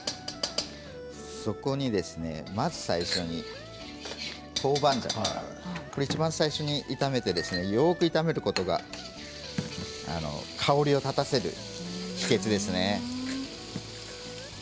そこにですね、まず最初に豆板醤これ、いちばん最初に炒めてよく炒めることが香りを立たせる秘けつですね。